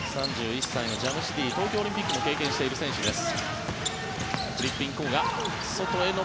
３１歳のジャムシディ東京オリンピックも経験している選手です。